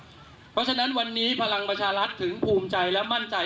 เพราะฉะนั้นวันนี้พลังประชารัฐถึงภูมิใจและมั่นใจ